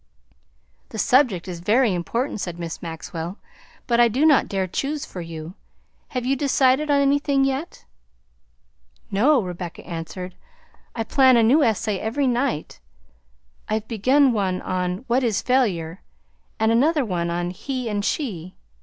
"The subject is very important," said Miss Maxwell, "but I do not dare choose for you. Have you decided on anything yet?" "No," Rebecca answered; "I plan a new essay every night. I've begun one on What is Failure? and another on He and She.